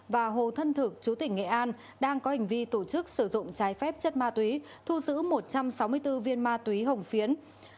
và hồ thân thực chú tỉnh nghệ an đang có hành vi tổ chức sử dụng trái phép chất ma túy thu giữ một trăm sáu mươi bốn viên ma túy hồng phiến